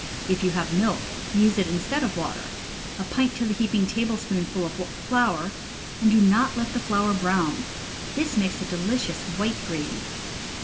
If you have milk, use it instead of water (a pint to the heaping tablespoonful of flour), and do not let the flour brown; this makes a delicious white gravy.